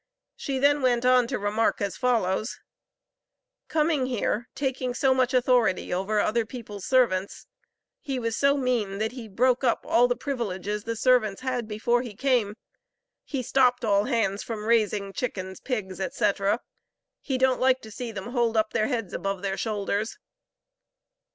She then went on to remark as follows: "Coming there, taking so much authority over other people's servants. He was so mean that he broke up all the privileges the servants had before he came. He stopped all hands from raising chickens, pigs, etc. He don't like to see them hold up their heads above their shoulders."